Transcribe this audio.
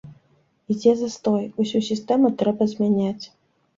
Ідзе застой, усю сістэму трэба змяняць.